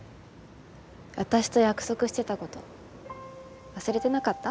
私と約束してたこと忘れてなかった？